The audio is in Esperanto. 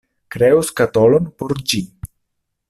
Kreu skatolon por ĝi!